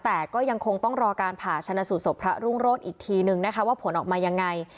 แต่ก็ยังคงต้องรอการผ่าชนะสูตรศพพระรุ่งโรศอีกทีนึงนะคะว่าผลออกมายังไง